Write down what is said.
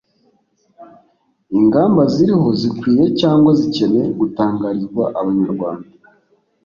ingamba ziriho zikwiye cyangwa zikeneye gutangarizwa abanyarwanda